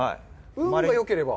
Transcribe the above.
運がよければ？